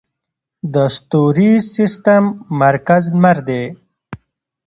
د ستوریز سیستم مرکز لمر دی